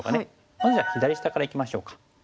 まずは左下からいきましょうか。